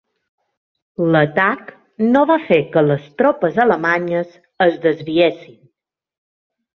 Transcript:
L'atac no va fer que les tropes alemanyes es desviessin.